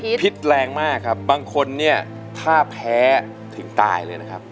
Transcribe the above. พิษแรงมากครับบางคนเนี่ยถ้าแพ้ถึงตายเลยนะครับ